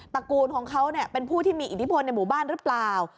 ระกูลของเขาเป็นผู้ที่มีอิทธิพลในหมู่บ้านหรือเปล่า